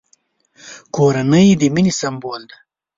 کورنۍ د مینې سمبول دی!